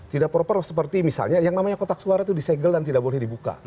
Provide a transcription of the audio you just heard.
tidak proper of seperti misalnya yang namanya kotak suara itu disegel dan tidak boleh dibuka